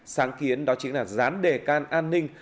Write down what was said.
sáng kiến đó chính là rán đề can an ninh